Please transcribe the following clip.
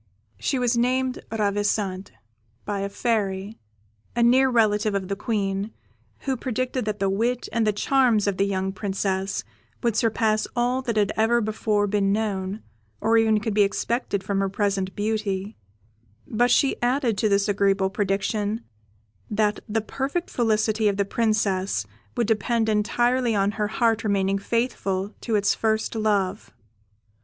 She was named Ravissante, by a Fairy, a near relative of the Queen, who predicted that the wit and the charms of the young Princess would surpass all that had ever before been known or even could be expected from her present beauty; but she added to this agreeable prediction, that the perfect felicity of the Princess would depend entirely on her heart remaining faithful to its first love.